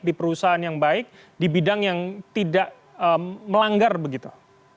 di perusahaan yang baik di bidang yang tidak melanggar begitu